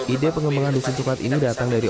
ide pengembangan dusun coklat ini datang dari